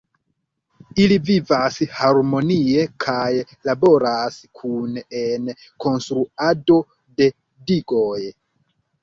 Ili vivas harmonie kaj laboras kune en konstruado de digoj.